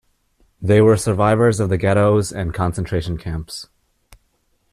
They were survivors of the ghettos and concentration camps.